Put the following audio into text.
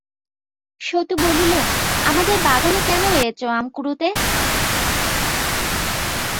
সতু বলিল, আমাদের বাগানে কেন এয়েচ আম কুড়ুতে?